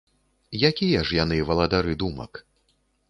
Якія ж яны валадары думак?